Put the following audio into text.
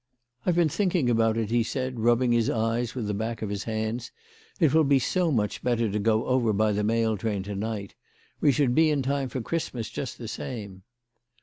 " I've been thinking about it," he said, rubbing his eyes with the back of his hands. " It will be so much better to go over by the mail train to night. "We should be in time for Christmas just the same."